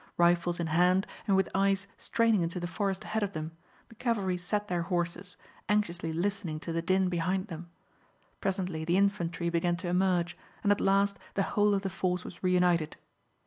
Rifles in hand, and with eyes straining into the forest ahead of them, the cavalry sat their horses, anxiously listening to the din behind them. Presently the infantry began to emerge, and at last the whole of the force was reunited.